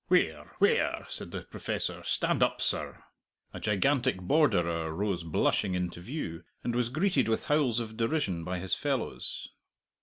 "Where, where?" said the Professor; "stand up, sir!" A gigantic Borderer rose blushing into view, and was greeted with howls of derision by his fellows.